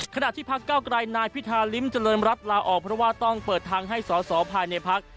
ขณะที่พักเก้าไกรนายพิธาริมเจริญรัฐลาออกเพราะว่าต้องเปิดทางให้สอสอภายในพัก